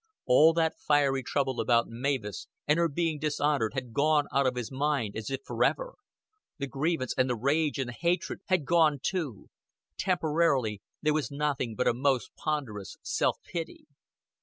All that fiery trouble about Mavis and her being dishonored had gone out of his mind as if forever; the grievance and the rage and the hatred had gone too; temporarily there was nothing but a most ponderous self pity.